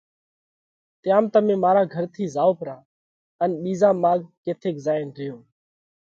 تيام تمي مارا گھر ٿِي زائو پرا، ان ٻِيزا ماڳ ڪٿيڪ زائينَ ريو۔